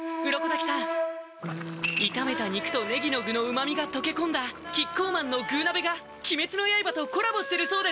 鱗滝さん炒めた肉とねぎの具の旨みが溶け込んだキッコーマンの「具鍋」が鬼滅の刃とコラボしてるそうです